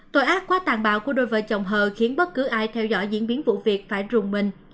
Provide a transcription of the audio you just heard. tội ác quá tàn bạo của đôi vợ chồng hờ khiến bất cứ ai theo dõi diễn biến vụ việc phải rùng mình